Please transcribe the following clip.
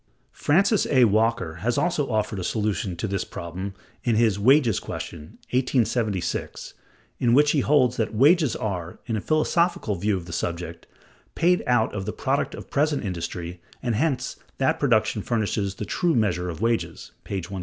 Francis A. Walker(168) has also offered a solution of this problem in his "Wages Question" (1876), in which he holds that "wages are, in a philosophical view of the subject, paid out of the product of present industry, and hence that production furnishes the true measure of wages" (p. 128).